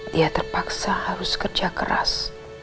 dia terpaksa harus kerja keras